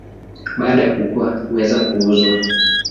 Baada ya kukua huweza kuuzwa.